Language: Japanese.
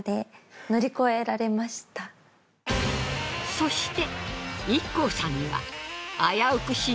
そして。